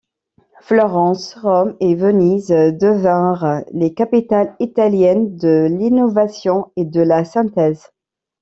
Florence, Rome et Venise devinrent les capitales italiennes de l'innovation et de la synthèse.